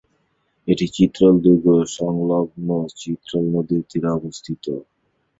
এটি চিত্রল দুর্গ সংলগ্ন চিত্রল নদীর তীরে অবস্থিত।